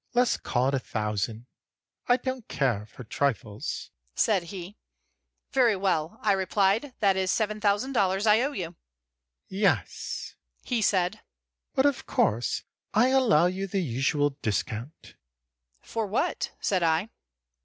Let us call it a thousand I don't care for trifles," said he. "Very well," I replied. "That is $7000 I owe you." "Yes," he said. "But of course I allow you the usual discount." "For what?" said I.